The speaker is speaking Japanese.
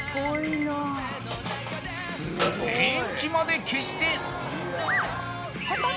［電気まで消して］